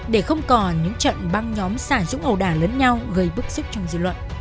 để không còn những trận băng nhóm xả súng ẩu đả lớn nhau gây bức xúc trong dư luận